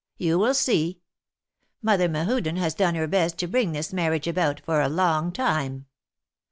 You will see. Mother Mehuden has done her best to bring this mar riage about for a long time."